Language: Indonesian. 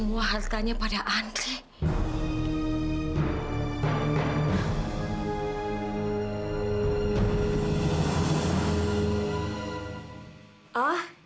maaf saya agak terlambat